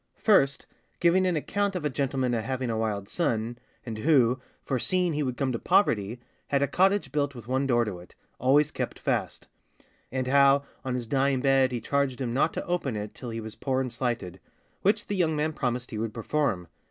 First, giving an account of a gentlemen a having a wild son, and who, foreseeing he would come to poverty, had a cottage built with one door to it, always kept fast; and how, on his dying bed, he charged him not to open it till he was poor and slighted, which the young man promised he would perform.